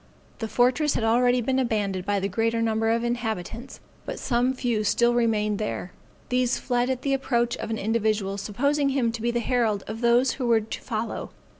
The fortress had already been abandoned by the greater number of the inhabitants, but some few still remained there. These fled at the approach of an individual supposing him to be the herald of those who were to follow.